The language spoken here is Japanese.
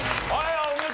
お見事。